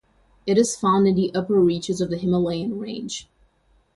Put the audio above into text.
It is found in the upper reaches of the Himalayan range.